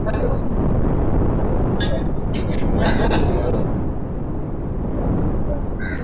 Serikali za Afrika zimeshughulikia sarafu ya kimtandao tofauti